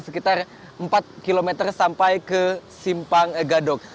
sekitar empat km sampai ke simpang gadok